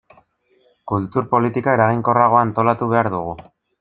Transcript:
Kultur politika eraginkorragoa antolatu behar dugu.